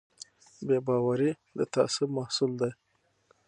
بې باوري د تعصب محصول دی